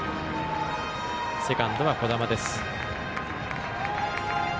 セカンドは児玉です。